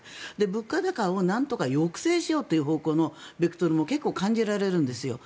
物価高をなんとか抑制しようという方向のベクトルも結構、感じられるんですよ。